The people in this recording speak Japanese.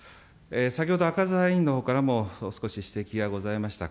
先ほど、赤澤委員のほうからも少し指摘がございました、